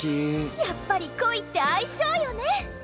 やっぱり恋って相性よね？